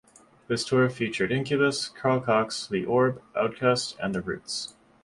This tour featured Incubus, Carl Cox, The Orb, OutKast, and The Roots.